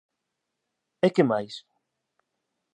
E que máis?